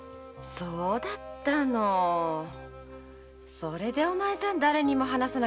そうだったのそれでお前さんだれにも話さなかったんだね。